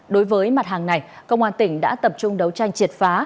đối với mặt hàng này công an tỉnh đã tập trung đấu tranh triệt phá